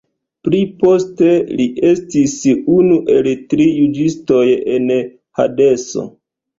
Pli poste li estis unu el tri juĝistoj en Hadeso.